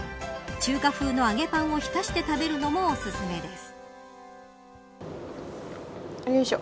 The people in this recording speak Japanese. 中華風の揚げパンを浸して食べるのもおすすめです。